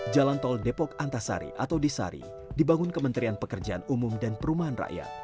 jalan tol depok antasari atau disari dibangun kementerian pekerjaan umum dan perumahan rakyat